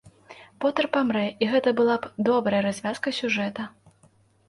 Потэр памрэ, і гэта была б добрая развязка сюжэта.